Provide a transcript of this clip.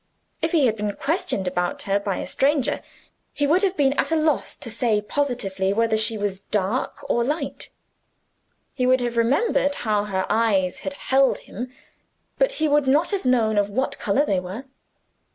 If he had been questioned about her by a stranger, he would have been at a loss to say positively whether she was dark or light: he would have remembered how her eyes had held him, but he would not have known of what color they were.